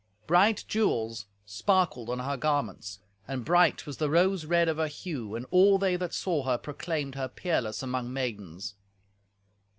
Bright jewels sparkled on her garments, and bright was the rose red of her hue, and all they that saw her proclaimed her peerless among maidens.